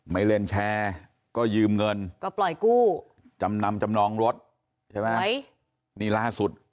ไม่เล่นแชร์ก็ยืมเงินก็ปล่อยกู้จำนำจำนองรถใช่ไหมนี่ล่าสุด